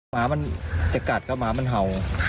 หมาจะกัดก็หมาเค้า